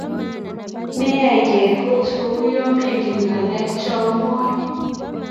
Meyaekei kot kouyo mengen ngalek cheamwoe